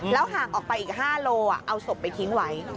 ห่างออกไปอีก๕โลเอาศพไปทิ้งไว้